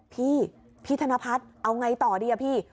พี่พี่ธนพัฒน์เอาไงต่อดีอะพี่